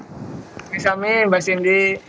terima kasih amin mbak cindy